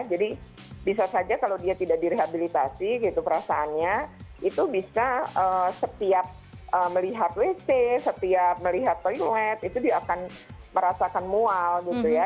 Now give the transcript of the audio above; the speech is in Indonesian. jadi bisa saja kalau dia tidak direhabilitasi gitu perasaannya itu bisa setiap melihat wc setiap melihat toilet itu dia akan merasakan mual gitu ya